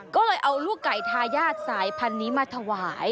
ก็เลยเอาลูกไก่ทายาทสายพันธุ์นี้มาถวาย